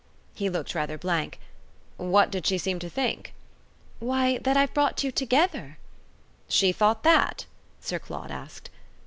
He looked rather blank. "What did she seem to think?" "Why that I've brought you together." "She thought that?" Sir Claude asked.